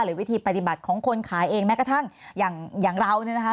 วิธีปฏิบัติของคนขายเองแม้กระทั่งอย่างเราเนี่ยนะคะ